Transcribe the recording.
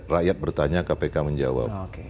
rakyat bertanya kpk menjawab